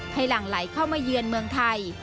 หลั่งไหลเข้ามาเยือนเมืองไทย